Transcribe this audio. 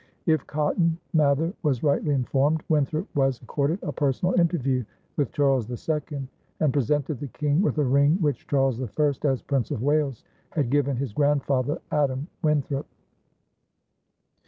If Cotton Mather was rightly informed, Winthrop was accorded a personal interview with Charles II and presented the King with a ring which Charles I, as Prince of Wales, had given his grandfather, Adam Winthrop.